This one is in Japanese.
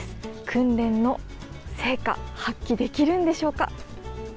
訓練の成果を発揮できるんでしょうか。